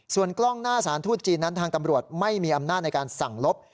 ส่วนกล้องหน้าสารทูตจีนนั้นทางตำรวจไม่มีอำนาจในการสั่งลบ